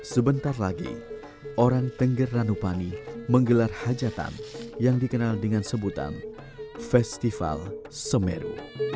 sebentar lagi orang tengger ranupani menggelar hajatan yang dikenal dengan sebutan festival semeru